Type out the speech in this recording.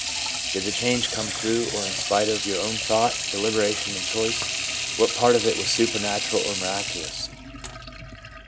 ' Did the change come through, or in spite of, your own thought, deliberation and choice ? What part of it was supernatural or miraculous